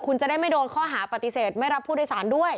คุณจะได้ไม่โดนข้อหาปฏิเสธไม่รับผู้โดยสารด้วย